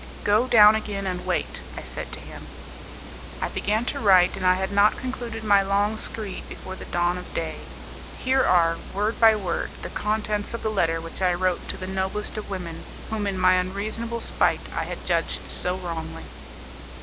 "Go down again and wait," I said to him. I began to write, and I had not concluded my long screed before the dawn of day; here are, word by word, the contents of the letter which I wrote to the noblest of women, whom in my unreasonable spite I had judged so wrongly.